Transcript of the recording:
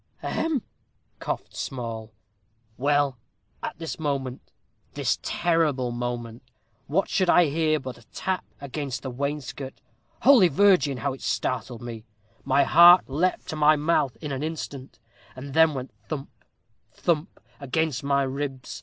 "Ahem!" coughed Small. "Well, at this moment this terrible moment what should I hear but a tap against the wainscot. Holy Virgin! how it startled me. My heart leapt to my mouth in an instant, and then went thump, thump, against my ribs.